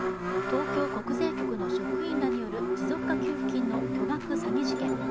東京国税局の職員らによる持続化給付金の不正受給事件。